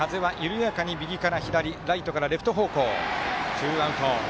ツーアウト。